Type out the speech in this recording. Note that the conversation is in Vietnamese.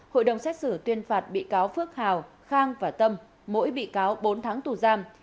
hội đồng xét xử tuyên phạt bị cáo phước hào khang và tâm mỗi bị cáo bốn tháng tù giam